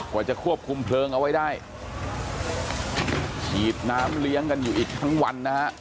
กว่าจะควบคุมเพลิงเอาไว้ได้ฉีดน้ำเลี้ยงกันอยู่อีกทั้งวันนะฮะ